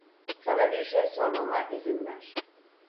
Sana bir şey sormama izin ver.